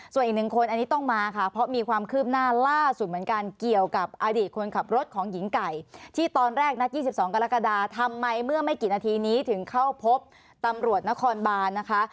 ส่วนอีกหนึ่งคนอันนี้ต้องมาค่ะเพราะมีความคืบหน้าล่าสุดเหมือนกันเกี่ยวกับอดีตคนขับรถของหญิงไก่ที่ตอนแรกนัด๒๒กรกฎาทำไมเมื่อไม่กี่นาทีนี้ถึงเข้าพบตำรวจนครบานนะคะ